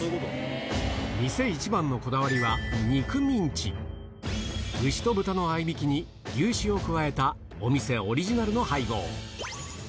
店一番のこだわりは牛と豚の合びきに牛脂を加えたお店オリジナルの配合